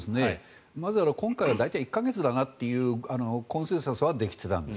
まず今回は大体１か月だなというコンセンサスはできてたんです。